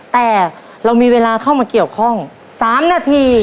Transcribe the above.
แต่เรามีเวลาเข้ามาเกี่ยวข้อง๓นาที